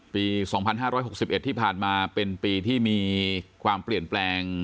ปี๒๕๖๑ที่ผ่านมาเป็นปีที่มีความเปลี่ยนแปลง